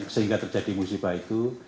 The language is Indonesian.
sehingga terjadi musibah itu